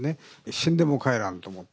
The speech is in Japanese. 死んでも帰らんと思って。